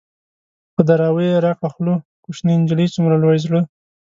په دراوۍ يې راکړه خوله - کوشنی نجلۍ څومره لوی زړه